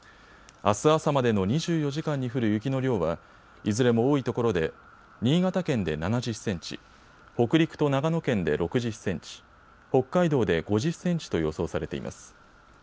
あす朝までの２４時間に降る雪の量はいずれも多いところで新潟県で７０センチ、北陸と長野県で６０センチ、北海道で５０センチと予想されています。